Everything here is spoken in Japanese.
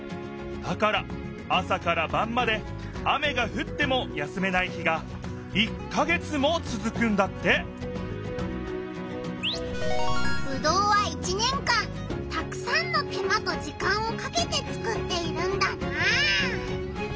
だから朝からばんまで雨がふっても休めない日が「１か月」もつづくんだってぶどうは１年間たくさんの手間と時間をかけてつくっているんだなあ。